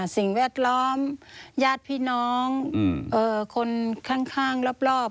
สิ่งแวดล้อมญาติพี่น้องคนข้างรอบ